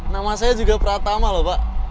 nama saya juga pratama lho pak